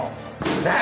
ねえ！